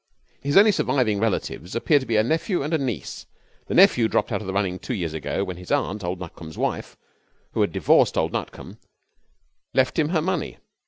'His only surviving relatives appear to be a nephew and a niece. The nephew dropped out of the running two years ago when his aunt, old Nutcombe's wife, who had divorced old Nutcombe, left him her money.